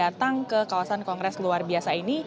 dan juga untuk kondisi lapangan di kawasan kongres luar biasa ini